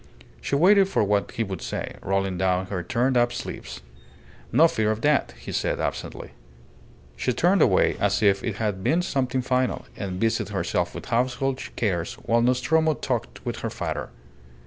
She waited for what he would say, rolling down her turned up sleeves. "No fear of that," he said, absently. She turned away as if it had been something final, and busied herself with household cares while Nostromo talked with her father.